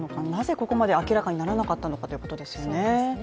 ここまで明らかにならなかったのかということですよね。